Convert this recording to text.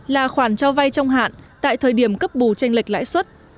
là khoản cho vay trong hạn tại thời điểm cấp bù tranh lệch lãi suất